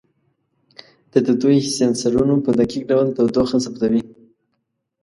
د تودوخې سینسرونو په دقیق ډول تودوخه ثبتوي.